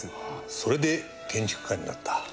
それで建築家になった？